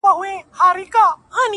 لونگيه دا خبره دې سهې ده،